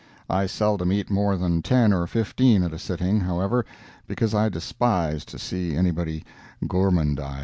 I seldom eat more than ten or fifteen at a sitting, however, because I despise to see anybody gormandize.